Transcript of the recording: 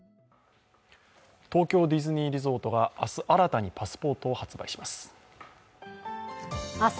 東京ディズニーリゾートが明日、新たにパスポートを発売します。